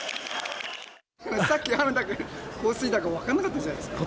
さっき、雨だか放水だか分かんなかったじゃないですか。